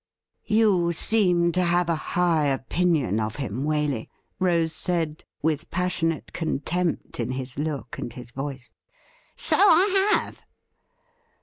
' You seem to have a high opinion of him, Waley,' Rose said with passionate contempt in his look and his voice. ' So I have.'